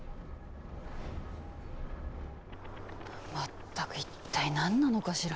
まったく一体何なのかしら。